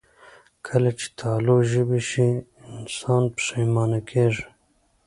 کله چې تالو ژبې شي، انسان پښېمانه کېږي